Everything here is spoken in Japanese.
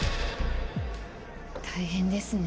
大変ですね。